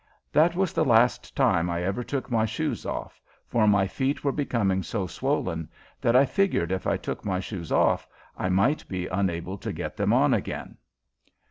That was the last time I ever took my shoes off, for my feet were becoming so swollen that I figured if I took my shoes off I might be unable to get them on again.